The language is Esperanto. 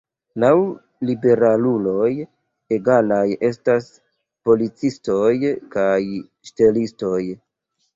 Laŭ liberaluloj, egalaj estas policistoj kaj ŝtelistoj.